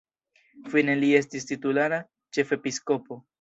Fine li estis titulara ĉefepiskopo.